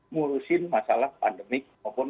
mengurusin masalah pandemik maupun